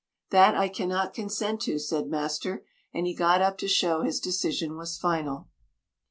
"That I cannot consent to," said master, and he got up to show his decision was final.